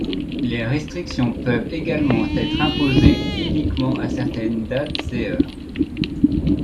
Les restrictions peuvent également être imposées uniquement à certaines dates et heures.